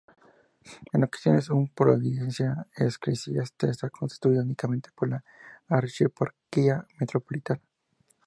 En ocasiones, una Provincia eclesiástica está constituida únicamente por la archieparquía metropolitana.